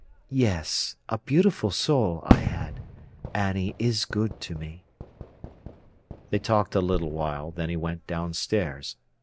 "Yes; a beautiful sole I had. Annie is good to me." They talked a little while, then he went downstairs.